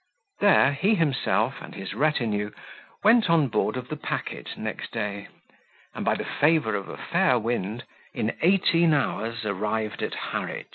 There he himself, and his retinue, went on board of the packet next day, and, by the favour of a fair wind, in eighteen hours arrived at Harwich.